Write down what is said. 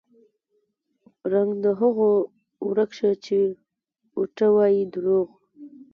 رنګ د هغو ورک شه چې اوټه وايي دروغ